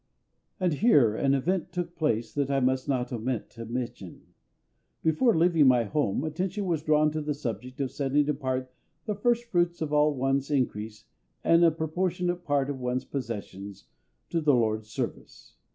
And here an event took place that I must not omit to mention. Before leaving home my attention was drawn to the subject of setting apart the firstfruits of all one's increase and a proportionate part of one's possessions to the LORD'S service.